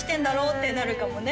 ってなるかもね